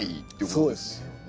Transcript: そうです。